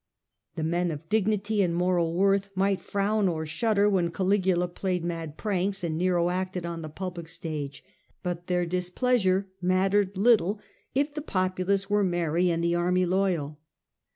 The men of dignity and moral worth might frown or shudder when Caligula played mad pranks and Nero acted on the public stage ; but their displeasure mattered little if the populace were merry and the army loyal.